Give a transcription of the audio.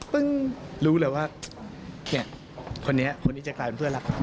ปึ้งรู้เลยว่าเนี่ยคนนี้จะกลายเป็นเพื่อนรัก